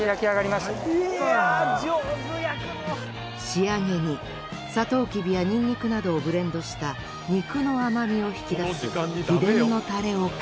仕上げにサトウキビやニンニクなどをブレンドした肉の甘みを引き出す秘伝のタレをかけ。